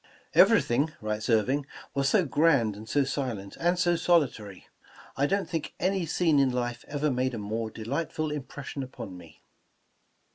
''Everything,'* writes Irving, ''was so grand, and so silent, and so solitary. I don't think any scene in life ever made a more delightful impression upon me.